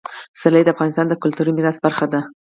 پسرلی د افغانستان د کلتوري میراث برخه ده.